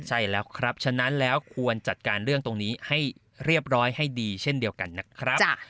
ใช่แล้วครับฉะนั้นแล้วควรจัดการเรื่องตรงนี้ให้เรียบร้อยให้ดีเช่นเดียวกันนะครับ